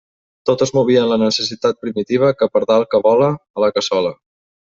Tot es movia en la necessitat primitiva que pardal que vola, a la cassola.